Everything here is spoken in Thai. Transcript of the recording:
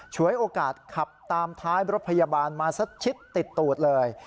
ฉวยโอกาสขับตามท้ายรถพยาบาลมาสักชิดติดตูดเลย